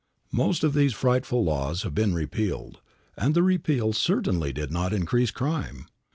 Most of these frightful laws have been repealed, and the repeal certainly did not increase crime.